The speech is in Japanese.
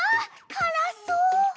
からそう！